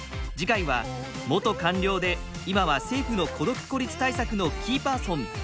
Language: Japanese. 次回は元官僚で今は政府の孤独・孤立対策のキーパーソン